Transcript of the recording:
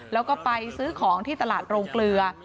แล้วก็ไปซื้อของที่ตลาดโรงเกลือ